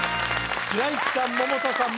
白石さん百田さん